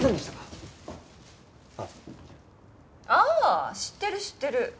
ああ知ってる知ってる。